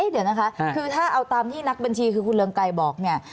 เดี๋ยวนะคะคือถ้าเอาตามที่นักบัญชีคือคุณเรืองไกรบอกเนี่ย